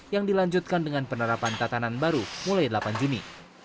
yang dilanjutkan dengan penerapan tatanan baru mulai delapan juni